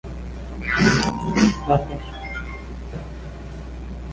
He did, however, edit the video for their later single "Prison Sex".